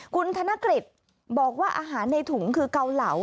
คุณธนกฤษบอกว่าอาหารในถุงคือเกาเหลา